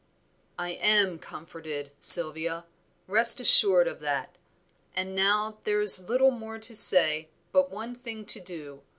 "I am comforted, Sylvia, rest assured of that. And now there is little more to say, but one thing to do.